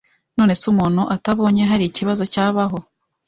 nonese umuntu atabonye hari ikibazo cyabaho